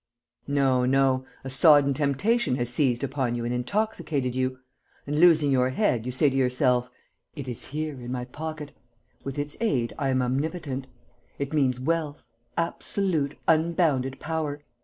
No, no; a sodden temptation has seized upon you and intoxicated you; and, losing your head, you say to yourself, 'It is here, in my pocket. With its aid, I am omnipotent. It means wealth, absolute, unbounded power.